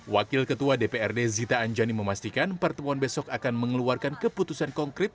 wakil ketua dprd zita anjani memastikan pertemuan besok akan mengeluarkan keputusan konkret